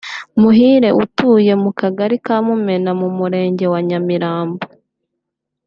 Muhire utuye mu Kagari ka Mumena mu Murenge wa Nyamirambo